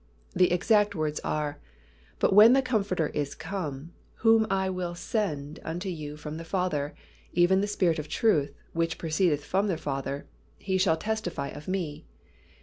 The exact words are, "But when the Comforter is come, whom I will send unto you from the Father, even the Spirit of truth, which proceedeth from the Father, He shall testify of Me."